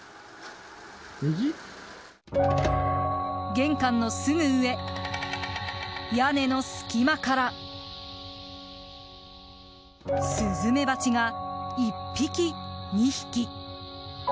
玄関のすぐ上、屋根の隙間からスズメバチが１匹、２匹。